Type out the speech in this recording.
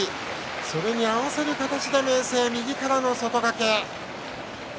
それに合わせる形で明生、右からの外掛け。